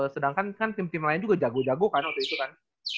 sedangkan kan tim tim lain juga jago jago kan waktu itu kan